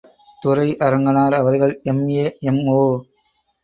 துரை அரங்கனார் அவர்கள் எம்.ஏ., எம்.ஓ.